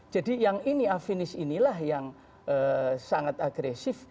jadi yang ini avinis inilah yang sangat agresif